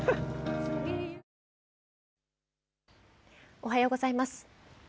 おはようございます。